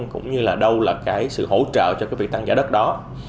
cũng như là đâu là cái sự hỗ trợ cho cái việc tăng giá đất đó